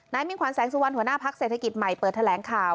นายมิ่งขวัญแสงสูวัลหัวหน้าภักดิ์เศรษฐกิจใหม่เปิดแทะแหลงข่าว